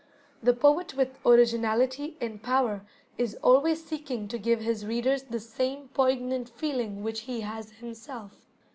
The poet with originality and power is always seeking to give his readers the same poignant feeling which he has himself.